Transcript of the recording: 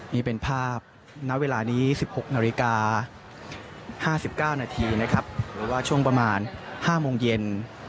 นี่เป็นภาพณเวลานี้๑๖นาฬิกา๕๙นาทีนะครับหรือว่าช่วงประมาณ๕โมงเย็น